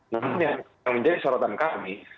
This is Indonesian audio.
namun yang menjadi sorotan kami